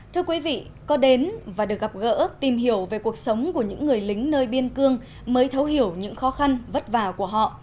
thưa quý vị có đến và được gặp gỡ tìm hiểu về cuộc sống của những người lính nơi biên cương mới thấu hiểu những khó khăn vất vả của họ